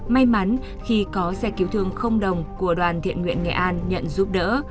may mắn khi có xe cứu thương đồng của đoàn thiện nguyện nghệ an nhận giúp đỡ